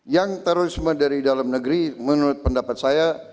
yang terorisme dari dalam negeri menurut pendapat saya